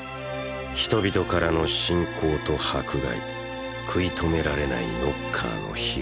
人々からの信仰と迫害食い止められないノッカーの被害。